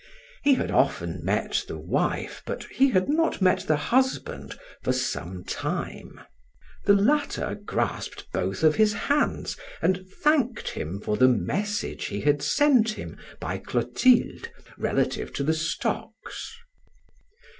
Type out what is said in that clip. He had often met the wife, but he had not met the husband for some time; the latter grasped both of his hands and thanked him for the message he had sent him by Clotilde relative to the stocks.